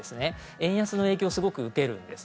円安の影響をすごく受けるんです。